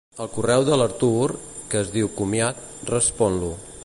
El correu de l'Artur que es diu "comiat", respon-lo.